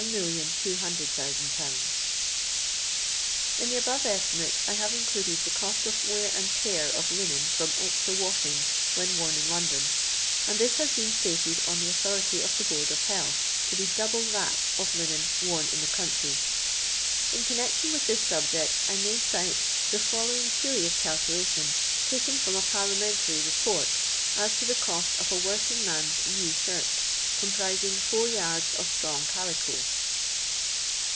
.. £1,200,000 In the above estimate I have included the cost of wear and tear of linen from extra washing when worn in London, and this has been stated on the authority of the Board of Health to be double that of linen worn in the country. In connection with this subject I may cite the following curious calculation, taken from a Parlia mentary Report, as to the cost of a working man's new shirt, comprising four yards of strong calico.